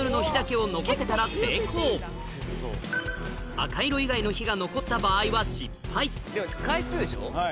赤色以外の火が残った場合は失敗でも回数でしょ。